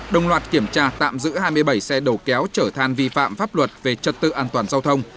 đồng loạt kiểm tra tạm giữ hai mươi bảy xe đầu kéo chở than vi phạm pháp luật về trật tự an toàn giao thông